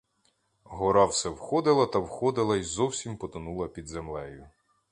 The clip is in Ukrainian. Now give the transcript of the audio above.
Гора все входила та входила й зовсім потонула під землею.